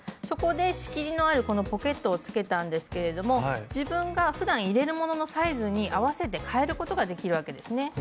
そこで仕切りのあるこのポケットをつけたんですけれども自分がふだん入れるもののサイズに合わせて変えることができるわけですね。